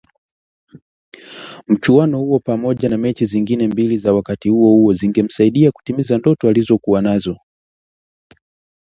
Mchuano huo pamoja na mechi zingine mbili za wakati uohuo zingemsaidia kutimiza ndoto alizokuwa nazo